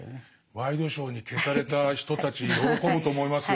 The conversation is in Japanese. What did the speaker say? ワイドショーに消された人たち喜ぶと思いますよ